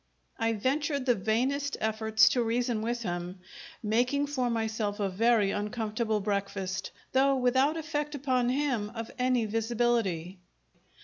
I ventured the vainest efforts to reason with him, making for myself a very uncomfortable breakfast, though without effect upon him of any visibility.